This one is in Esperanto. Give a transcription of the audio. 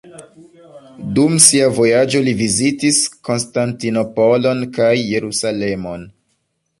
Dum sia vojaĝo li vizitis Konstantinopolon kaj Jerusalemon.